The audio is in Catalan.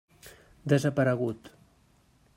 Desaparegut.